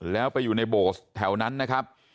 แล้วไปอยู่ในโบสถ์แถวนั้นนะครับ